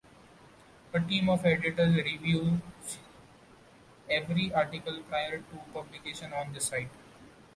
A team of editors reviews every article prior to publication on the site.